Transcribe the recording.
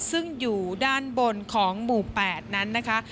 ซึ่งอยู่ด้านบนของหมู่๘นั้นนะคะ